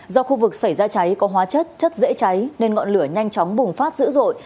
do khu vực xảy ra cháy có hóa chất chất dễ cháy nên ngọn lửa nhanh chóng bùng phát dữ dội